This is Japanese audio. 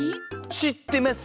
知ってます。